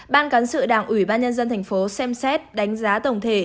ban cán sự đảng ủy ban nhân dân thành phố xem xét đánh giá tổng thể